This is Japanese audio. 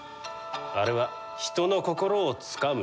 あれは人の心をつかむ天才じゃ。